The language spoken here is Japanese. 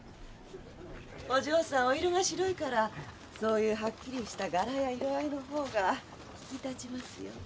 お嬢さんお色が白いからそういうはっきりした柄や色合いの方が引き立ちますよ。